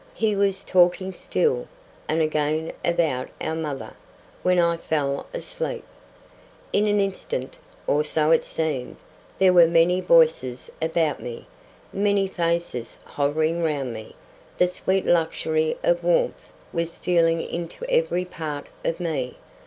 He was talking still, and again about our mother, when I fell asleep. In an instant—or so it seemed—there were many voices about me—many faces hovering round me—the sweet luxury of warmth was stealing into every part of me.